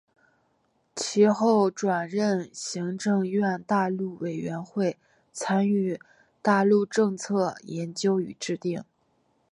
其后转任行政院大陆委员会参与大陆政策研究与制定。